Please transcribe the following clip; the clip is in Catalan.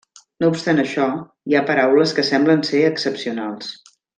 No obstant això, hi ha paraules que semblen ser excepcionals.